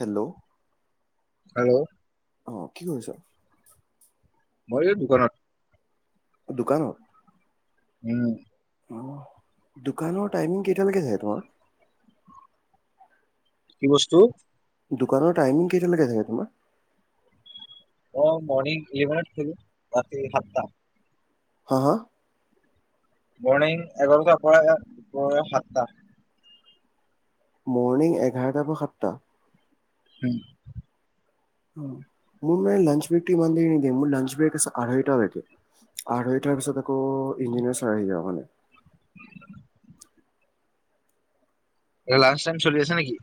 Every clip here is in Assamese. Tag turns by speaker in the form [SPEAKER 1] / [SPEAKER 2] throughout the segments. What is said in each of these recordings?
[SPEAKER 1] হেল্ল'?
[SPEAKER 2] হেল্ল'?
[SPEAKER 1] অ' কি কৰিছ?
[SPEAKER 2] মই এই দোকানত।
[SPEAKER 1] দোকানত
[SPEAKER 2] উম।
[SPEAKER 1] অ' দোকানৰ টাইমিং কেইটালৈকে থাকে তোমাৰ?
[SPEAKER 2] কি বস্তু?
[SPEAKER 1] দোকানৰ টাইম কেইটালৈকে থাকে তোমাৰ?
[SPEAKER 2] অ' মৰ্ণিং ইলেভেনত থাকো ৰাতি সাতটা।
[SPEAKER 1] হা', হা'
[SPEAKER 2] মৰ্ণিং এঘাৰটাৰ পৰা সাতটা।
[SPEAKER 1] মৰ্ণিং এঘাৰটাৰ পৰা সাতটা?
[SPEAKER 2] উম।
[SPEAKER 1] উম, মোৰ মনে লঞ্চ ব্ৰেক টো ইমান দেৰি নিদিয়ে, মোৰ লঞ্চ ব্ৰেক আছে আঢ়ৈ টা লৈকে। আঢ়ৈতাৰ পিছত আকৌ ইঞ্জিনিয়াৰ চাৰ আহি যাই মানে।
[SPEAKER 2] [unintelligible] লাঞ্চ টাইম চলি আছে নেকি?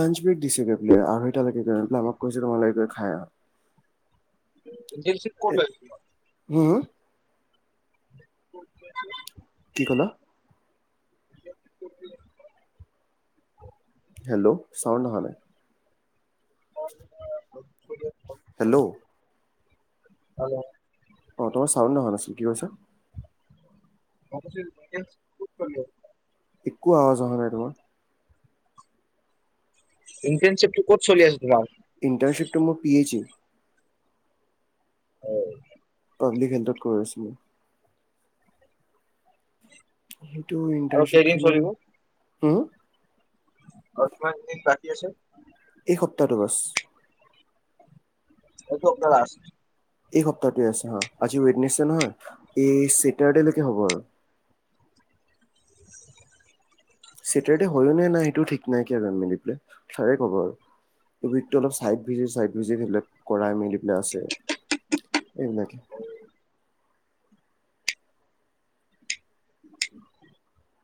[SPEAKER 1] লাঞ্চ ব্ৰেক দিছেগৈ বোলে আৰু আঢ়ৈ টা লৈকে, আমাক কৈছে তোমালোকে বোলে খাই আহা।
[SPEAKER 2] ইণ্টাৰনশিপ কত লৈছা?
[SPEAKER 1] হু', হু'।
[SPEAKER 2] [unintelligible]
[SPEAKER 1] কি ক'লা?
[SPEAKER 2] [unintelligible]
[SPEAKER 1] হেল্ল' চাউণ্ড অহা নাই? হেল্ল'?
[SPEAKER 2] হেল্ল'?
[SPEAKER 1] অ' তোমাৰ চাউণ্ড অহা নাছিল, কি কৈছা?
[SPEAKER 2] মই কৈছোঁ ইন্টাৰ্ণশ্বিপ ক'ত কৰিলা?
[SPEAKER 1] একো আৱাজ অহা নাই তোমাৰ।
[SPEAKER 2] ইণ্টাৰনচিপটো ক'ত চলি আছে তোমাৰ?
[SPEAKER 1] ইণ্টাৰণশিপটো মোৰ পি এইচ ইও।
[SPEAKER 2] হয়।
[SPEAKER 1] পাব্লিক হেল্থত কৰি আছোঁ মই। সেইটো
[SPEAKER 2] আৰু কেইদিন
[SPEAKER 1] ইণ্টাৰনশ্বিপখিনি,
[SPEAKER 2] চলিব
[SPEAKER 1] হু?
[SPEAKER 2] আৰু কিমান দিন বাকী আছে?
[SPEAKER 1] এই সপ্তাহটো বাচ।
[SPEAKER 2] এইেটো সপ্তাহ লাষ্ট?
[SPEAKER 1] এই সপ্তাহটোৱে আছে হ, আজি ৱেডনেছডে নহয় এই ছেটাৰডেলৈকে হ'ব আৰু। ছেটাৰডে হয়ও নে নাই সেইটোও ঠিক নাইকিয়া মেলি পেললে ছাৰে ক'ব আৰু। এইবিধটো অলপ চাইড ভিজি, চাইড ভিজি সেইবিলাক কৰাই মেলি পেলাই আছে। এনেকে।
[SPEAKER 2] [inaudible]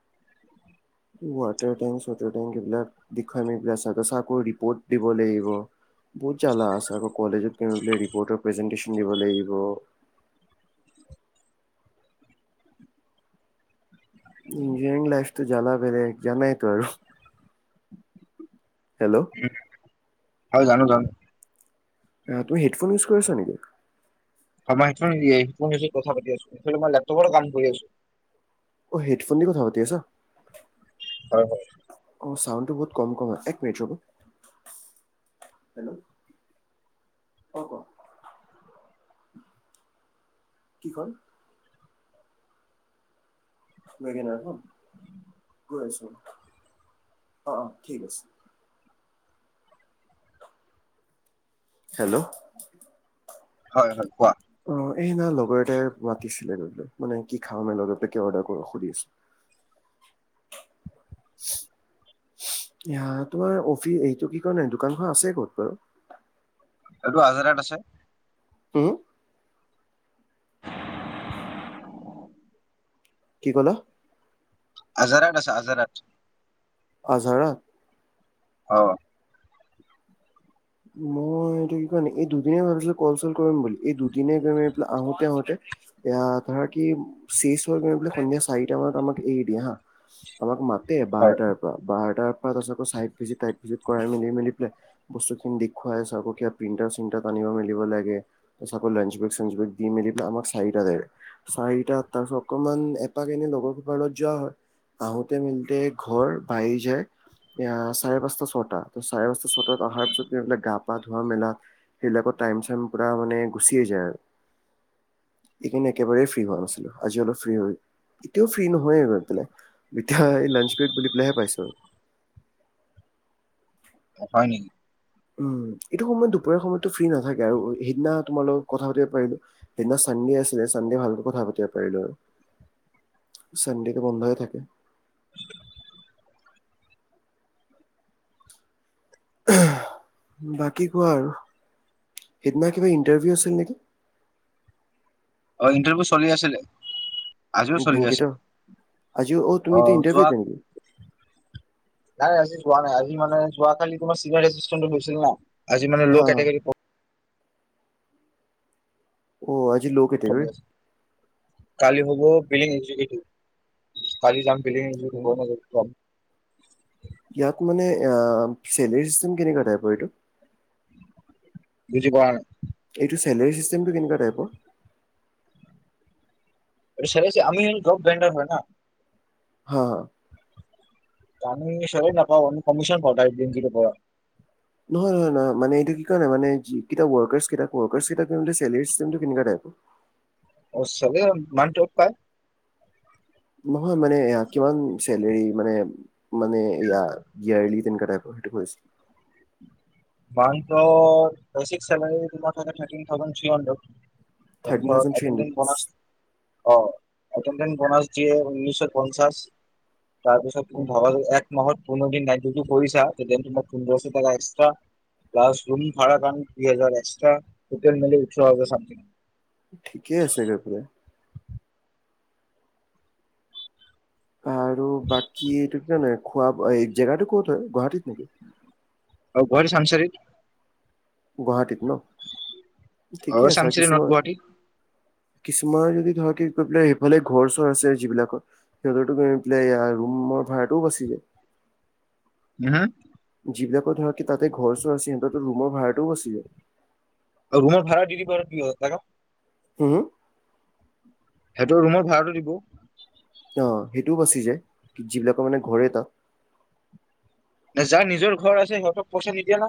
[SPEAKER 1] ৱাটাৰ টেংক চৱাটাৰ টেংক এইবিলাক দেখুৱাই মেলি তাৰপিছত আকৌ ৰিপৰ্ট দিব লাগিব। বহুত জ্বালা আছে। আকৌ কলেজত বোলে ৰিপৰ্টৰ প্ৰেজেনটেচন দিব লাগিব। ইঞ্জিনিয়াৰিং লাইফটো জ্বালা বেলে, এক জনাইতো আৰু। হেল্ল'।
[SPEAKER 2] উ, হয় জানো জানো।
[SPEAKER 1] অ' তুমি হেডফোন ইউজ কৰিছা নেকি?
[SPEAKER 2] হয় মই হেডফোন নিয়ে সেইটো কথা পাতি আছোঁ, মই লেপটপৰ কাম কৰি আছোঁ।
[SPEAKER 1] অ' হেডফোন দি কথা পাতি আছা?
[SPEAKER 2] হয় হয়।
[SPEAKER 1] অ' চাউণ্ডটো বহুত কম কম হয়। এক মিনিট ৰ'বা। হেল্ল'। অ' ক? কি হ'ল? ৱাগেনাৰখন, গৈ আছোঁ। অ', অ' ঠিক আছে। হেল্ল'।
[SPEAKER 2] হয় হয়, কোৱা?
[SPEAKER 1] অ' এই নাই লগৰ এটাই মাতিছিলে, মানে কি খাম এনে কি অৰ্ডাৰ কৰ সুধি আছে। এ, তোমাৰ অফি এইটো কি কয় দোকানখন আছে ক'ত বাৰু?
[SPEAKER 2] এইটো আজাৰাত আছে।
[SPEAKER 1] হু? কি ক'লা?
[SPEAKER 2] আজাৰাত আছে আজাৰাত।
[SPEAKER 1] আজাৰাত?
[SPEAKER 2] অ'।
[SPEAKER 1] মই এইটো কি কয় নাই এই দুদিনে ভাবছিলোঁ কল চল কৰিম বুলি, এই দুদিনে কৰিম এই প আহোতে আহোতে এয়া ধৰা কি চেচ হৈ গৈ পেলাই সন্ধিয়া চাৰিটামানত আমাক এৰি দিয়ে হা। আমাক মাতে
[SPEAKER 2] হয়
[SPEAKER 1] বাৰটাত। বাৰটাৰপৰা আকৌ চাইট ভিজিত টাইট ভিজিত কৰাই মেলি মেলি পেলাই বস্তু দেখুৱাই চ আকৌ প্ৰিণ্টাট চিন্তাওট আনিব মেলিব লাগে। তাৰপিছত লাঞ্চ ব্ৰেক চাঞ্চ ব্ৰেক দি মেলি আমাক চাৰিটাত এৰে। চাৰিটাত তাৰপিছত অকমান এপাক এনে লগৰ কেইটাৰ লগত যোৱা হয়। আহোতে মিলতে ঘৰ বাহি যায় চাৰে পাঁচটা ছটা, ত' চাৰে পাঁচটা, ছটাত অহাৰ পিছত এইবিলাক গা পা ধোৱা মেলা সেইবিলাকত টাইম চাইম পুৰা মানে গুচিয়ে যায় আৰু। এইকাৰনে একেবাৰেই ফ্ৰী হোৱা নাছিলো, আজি অলপ ফ্ৰী হয়। এতিয়াও ফ্ৰী নহয়ে গৈ পেলাই, এতিয়া লাঞ্চ ব্ৰেক বুলি পেলাইহে পাইছোঁ।
[SPEAKER 2] হয় নেকি
[SPEAKER 1] উম এইটো সময়ত দুপৰীয়া সময়তো ফ্ৰ্ৰী নাথাকে আৰু সেইদিনা তোমাৰ লগত কথা পাতিব পাৰিলো সেইদিনা চানডে আছিলে চানডিয়ে ভালো কথা পাতিব পাৰিলো চানডেটো বন্ধ হৈ থাকে বাকী কোৱা আৰু সিদিনা কিবা ইণ্টাৰভিউ আছিল নেকি
[SPEAKER 2] অ ইণ্টাৰভিউ চলি আছিলে আজিও চলি আছে
[SPEAKER 1] ব্লিংকিটৰ আজি অ' তুমি এতিয়া
[SPEAKER 2] আহ
[SPEAKER 1] ইণ্টাৰভিউত
[SPEAKER 2] যোৱ
[SPEAKER 1] নেকি
[SPEAKER 2] নাই নাই আজি যোৱা নাই আজি মানে যোৱা কালি তোমাৰ চিনিয় এিে গৈছিল ন আজিানে
[SPEAKER 1] হা
[SPEAKER 2] ল'
[SPEAKER 1] হা
[SPEAKER 2] কেেী
[SPEAKER 1] অ আজি কেটেগৰী
[SPEAKER 2] কালি হ'ব বিলিংিভ কালি যাম ফিলি গ নাম
[SPEAKER 1] ইয়াত মানে অ চেলৰ চিেম কেনেকুৱা াই ব এইটো
[SPEAKER 2] বুজি ক
[SPEAKER 1] এইটো চেলোৰীিেমটো কেনেুৱা টাইপৰ
[SPEAKER 2] চেমি হ জ্ৰব ভেণ্ডাৰ হয় না
[SPEAKER 1] হ হ
[SPEAKER 2] মি সে নাপওঁ কমিশন প দিন কতি পা
[SPEAKER 1] নহয় নহয় নহ মান এইটো কি ন মানে ৱ
[SPEAKER 2] অ চাগ মানট পায়
[SPEAKER 1] নহয় মানে কিমান মানে মানেলি তেনেটাইপ স
[SPEAKER 2] মান বেিকাৰ তোমাৰ থ থ থড্ৰড ত
[SPEAKER 1] থাৰ্টিন থাউজেণ্ড
[SPEAKER 2] ঘৰত
[SPEAKER 1] থ্ৰী
[SPEAKER 2] আৰ্জেণ্টাইন
[SPEAKER 1] হাণ্ড্ৰেড
[SPEAKER 2] বনছ অ এেডে বনছ দিয়ে উঊনৈছশ পঞ্চাশ তাৰপিছতমি ধব এক মাহত পোনো দিন নাই্যটো কৰিছা তেতি তোম পোন্ধৰশ টকা এক্সট্ৰা প্লাছ ৰৰুম ভাাৰ কাম দু হাজাৰ এক্সট্ৰা হোটেল মেলে উঠোৱাামথি
[SPEAKER 1] ঠিকেই আছে গৈ পলে আৰু বাকী এইটো কিানে খোৱা জেগাটো কত হয় গুৱাহাটীত নেকি
[SPEAKER 2] আৰু ঘৰ সংানচাৰ
[SPEAKER 1] গুৱাহাটীত ন
[SPEAKER 2] অ
[SPEAKER 1] ঠিকে আছে
[SPEAKER 2] চামচাৰি নৰ্থ
[SPEAKER 1] কিছুমান
[SPEAKER 2] গুৱাহাটী
[SPEAKER 1] কিছুমান যদি ধৰক কৈ পেলাই সেইফালে ঘৰ চৰ আছে যিবিলাকৰ সিহঁতো গি পেলাই ইয়া ৰুমৰ ভাড়াটোও বাচি যায়
[SPEAKER 2] উহু
[SPEAKER 1] যিবিলাকৰ ধৰক তাতে ঘৰ চোৰ আছে সিহঁতো ৰুমৰ ভাডাও আছিলে
[SPEAKER 2] আৰু ৰুমৰ ভড়া ডি ভা কি হয় থাককা
[SPEAKER 1] হু
[SPEAKER 2] সেইটো ৰুমৰ ভাড়াটো দিব
[SPEAKER 1] অ সেইটোও বাছি যে কি যিবিলাকৰ মানে ঘৰে তাত
[SPEAKER 2] ন যাৰ নিজৰ ঘৰ আছে সিহঁতক পইচা নিদিয়া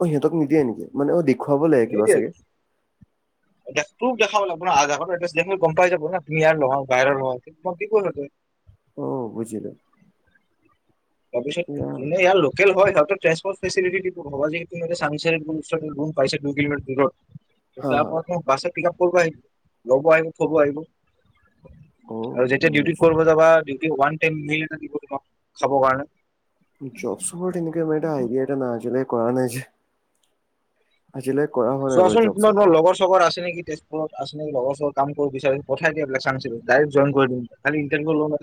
[SPEAKER 1] অ সিহঁতক নিদিয়ে নেকি মানে অ দেখুৱাব লাগে কিবা
[SPEAKER 2] নিদিয়ে
[SPEAKER 1] চাগে
[SPEAKER 2] [inaudible] তোক দেখাব লাগিব ন আধাৰ এড্ৰেছ দেিলি গম পাই যাব না তুমিয়াৰ লগাওঁ বাহ লগ কৈছ তই
[SPEAKER 1] অ বুজিলো
[SPEAKER 2] তাৰপিছত
[SPEAKER 1] এয়া
[SPEAKER 2] তুনে ইয় লোক েল হয় ্ৰেপৰ্ট ফেিটিটো হব যিহু মান গণ পাইছে দু কিলোমিটাৰ দূৰত তে
[SPEAKER 1] হা
[SPEAKER 2] তাৰ
[SPEAKER 1] হা
[SPEAKER 2] পৰা বাছে পিক আপ কৰিব আহিব ল'ব আহিব ফব আহিব
[SPEAKER 1] অ
[SPEAKER 2] আৰু যেতিয়া
[SPEAKER 1] বুজ
[SPEAKER 2] ডিউটি কৰিব যাবাউ খাব কাৰণে
[SPEAKER 1] জব চৰ্ এনেক আইডিয়া এটা ন কৰা নাই যে আজিলৈ কৰা হোৱা নাই বাৰু
[SPEAKER 2] চোৱাচোন
[SPEAKER 1] জব
[SPEAKER 2] তোমাৰ
[SPEAKER 1] চব।
[SPEAKER 2] তোমাৰ লগৰ চগৰ আছে নেকি তে আ, লগৰ কাম কৰিব বিচাৰি পঠাই দিলাক চ আছিলো ড্ জই কৰি দিম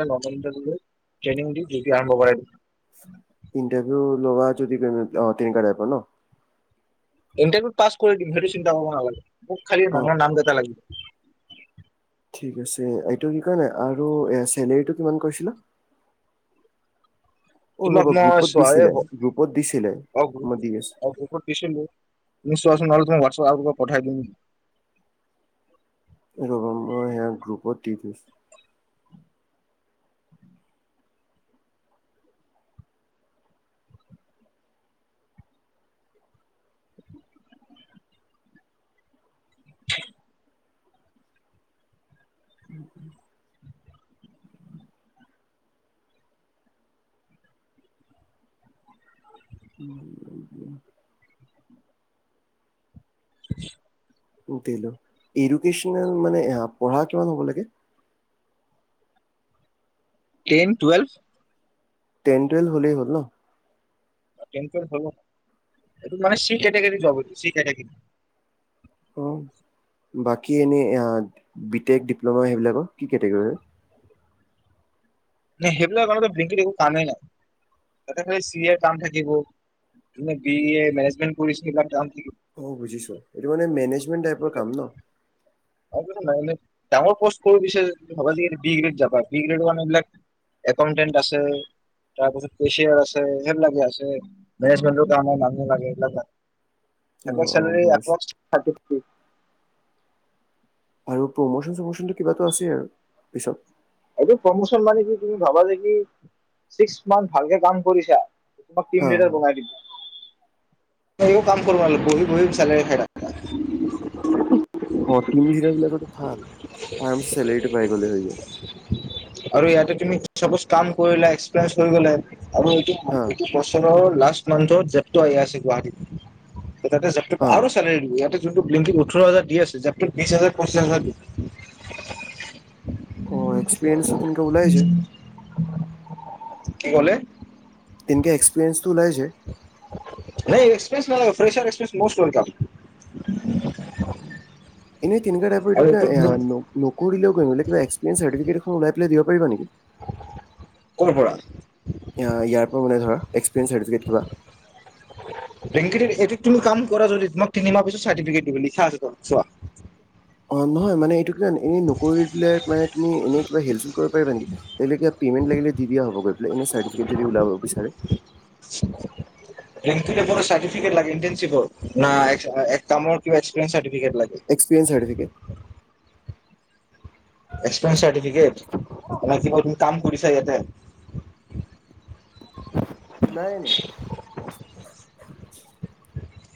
[SPEAKER 2] খালাৰউ [inaudible]
[SPEAKER 1] ইণ্টাৰভিউ লগোৱা যদিম অ, নেকুৱা টাইপৰ ন।
[SPEAKER 2] ইণ্টাৰভিউত পাছ কৰি দিম সেইটো চিন্তা কৰিব নালাগে। মোক খালি
[SPEAKER 1] অ
[SPEAKER 2] মানুহৰ নাম কেইটা লাগিব।
[SPEAKER 1] ঠিক আছে এইটো কি কয়নে আৰু চেলেৰীটো কিমান কৈছিলো। অ
[SPEAKER 2] তোমাক
[SPEAKER 1] ৰ'বা
[SPEAKER 2] মই
[SPEAKER 1] গ্ৰুপত
[SPEAKER 2] চোৱায়ে
[SPEAKER 1] দিছিলে
[SPEAKER 2] হ
[SPEAKER 1] গ্ৰুপত দিছিলে
[SPEAKER 2] অ,
[SPEAKER 1] মই দি আছো
[SPEAKER 2] দিছিলো। নিশ্চ আ নহ তইমোৱাটছএ আ পঠাই দিম।
[SPEAKER 1] [unintelligible] সেয়া গ্ৰুপৰ টিৰিছ। উ।
[SPEAKER 2] [inaudible]
[SPEAKER 1] এডুকেনেল মানে পঢ়া কিমান হ'ব লাগে।
[SPEAKER 2] টেন, টুৱেলভ
[SPEAKER 1] টেন, টুৱেলভ হলেই হ'ল ন।
[SPEAKER 2] এইটো মানেৰী যাবৰী।
[SPEAKER 1] অ'। বাকী এনেই বি টেক ডিপ্ল'মা সেইবিলাকৰ কি কেটেগৰী হয়।
[SPEAKER 2] সেইবিলক কাৰণে ব্ৰকেট কামেই নাই। [unintelligible] এৰ থাকিব বি এ মেজমট কৰিছে এইবাক থাকিব।
[SPEAKER 1] অ, বুজিছো এইটো মানে মেনেজমেণ্ট টাইপৰ কাম ন।
[SPEAKER 2] ন, তেৰ পষ্ট কৰ দিছে সব বি গ্ৰেড যাবা বিগ্ৰেডানেলোক একাউণ্টেণ্ট আছে। তাৰপিছত কেচিয়াৰ আছে, সেইবিলাকে আছে, মেজমেটাৰ মানুহ লাগে এইবিলাক
[SPEAKER 1] অ
[SPEAKER 2] আমাৰ
[SPEAKER 1] অ
[SPEAKER 2] চেলাৰী
[SPEAKER 1] বুজিছো
[SPEAKER 2] এটমষ্ট থাৰ্টি থ্ৰী।
[SPEAKER 1] আৰু প্ৰমোচন চমোচনটো কিবা আছেই আৰু পিছত
[SPEAKER 2] এইটো প্ৰমোচন মানে কি তুমি ভাবা যে কি ছিক্স মান্থ ভালকে কাম কৰিছা। ম [unintelligible]
[SPEAKER 1] হা
[SPEAKER 2] লিডৰ
[SPEAKER 1] হা
[SPEAKER 2] বাই দিই কাম কৰ আল গহ, গহ চলে খাই।
[SPEAKER 1] অ, টম চৰা বিলাক ভাল আৰাম চেলাৰীটো পাই গ'লে হৈ যায়।
[SPEAKER 2] আৰু ইয়াতে তুমিজ কাম কৰিলো এক্সৰিয়ে কৰি গ
[SPEAKER 1] হা
[SPEAKER 2] আৰু। বছৰ লাষ্ট মান্থত জেপটো আহি আছে গুৱাহাটীত তাতে জেপুত
[SPEAKER 1] হা
[SPEAKER 2] আৰু চালাৰী দ ইয়াতে যোন ওঠৰ হাজাৰ দি আছে যাতো বিশ হাজাৰ, পচিছ হাজাৰ দি
[SPEAKER 1] অ, এক্সপৰিয়ন্ঞ্চছ ত তেনেকেওলাইছে।
[SPEAKER 2] কি ক'লে?
[SPEAKER 1] তেনক এ্সপিৰিয়ন্ঞ্চ তটো লেছে
[SPEAKER 2] এক্সপ নালাগে ফ্ৰেচাৰ, এক্সপ মস্ত ৱেলকাম।
[SPEAKER 1] এনে তিনগটাই
[SPEAKER 2] আৰু
[SPEAKER 1] পকে
[SPEAKER 2] এইটো
[SPEAKER 1] নকৰি দিলও গম কিবা এক্পৰিয়ঞ্চ, চাৰটিফিকে এ ওলাইলাই দিবাৰিবােকি
[SPEAKER 2] ক'লপ
[SPEAKER 1] ইয়াৰ পৰা মান ধৰা এক্সপেৰিেঞ্চাৰ্টফিকেট কিবা
[SPEAKER 2] বেং এইটোত তুমি কাম কৰা যদি তোক তিনিমাহ পিছত চাৰটিফিকেট দিব লিখা আছে ত চোৱা।
[SPEAKER 1] অ, নহয় মানে এইটো কিান এনেই নকৰি পলে মানে তুমি এনেই কিবা হেল্প চুল কৰিব পাৰিবা নেকি। [unintelligible] পেমেণ্ লাগিলে দি দিয়া হ'ব গৈ প এনে চাটিফিকেট যদি ওলাব বিচাৰে
[SPEAKER 2] [unintelligible] চাৰ্টিফিকেট লাগে ইণ্টাৰ্ণচিপৰ, না এ-কামৰ কিবা এক্সপেঞ্চ চাৰ্টিফিকেট লাগে?
[SPEAKER 1] একপৰিঞ্চ চাৰ্টিফিকেট।
[SPEAKER 2] এ্সপিৰিন্ চাৰটিফিকেট ম কি তুমি কাম কৰিৰিছে।
[SPEAKER 1] নাই, নাই।